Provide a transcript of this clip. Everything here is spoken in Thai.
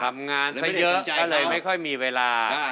ทำงานซะเยอะก็เลยไม่ค่อยมีเวลา